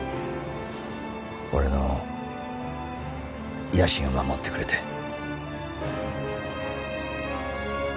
俺の野心を護ってくれて。